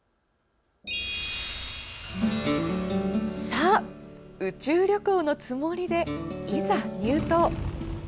さあ、宇宙旅行のつもりでいざ入湯。